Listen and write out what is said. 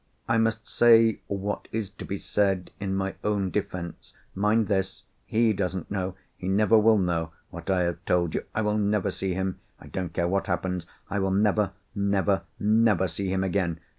I must say what is to be said in my own defence. Mind this! He doesn't know—he never will know, what I have told you. I will never see him—I don't care what happens—I will never, never, never see him again!